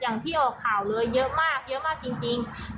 อย่างที่ออกข่าวเลยเยอะมากเยอะมากจริง